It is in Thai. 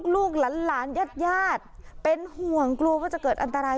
ลูกหลานญาติญาติเป็นห่วงกลัวว่าจะเกิดอันตราย